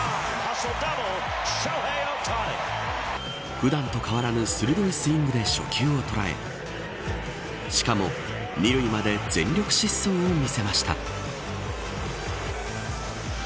普段と変わらぬ鋭いスイングで初球を捉えしかも、２塁まで全力疾走を見せました。